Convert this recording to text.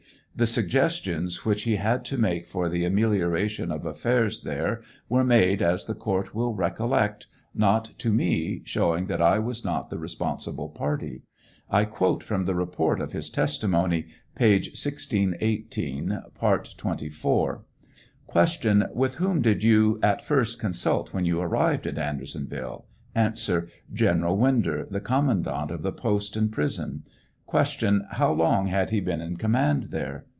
The suggestions which he had to make for the amelioration of affairs there were made, as the court will recollect, not to me, showing that I was not the responsible party. I quote from the report of his testimony, page 1618, part 24 : Q. With whom did you%t first consult when you arrived at Andersonville ? A. General Winder, the commandant of the post and prison. Q. How long had he been in command there?